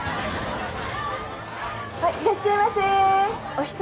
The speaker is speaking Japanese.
いらっしゃいませお一人？